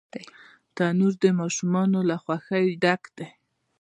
تنور د ماشومانو له خوښۍ ډک دی